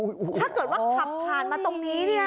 ถ้าเกิดว่าขับผ่านมาตรงนี้เนี่ย